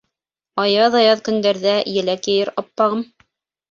Аяҙ-аяҙ көндәрҙә еләк йыйыр аппағым